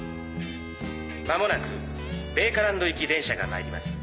まもなく米花ランド行き電車が参ります。